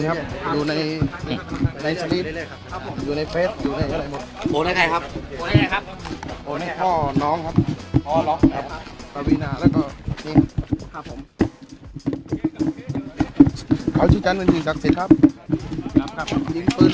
เคสสปายเพื่อนำให้หลายคนออกไปก่อน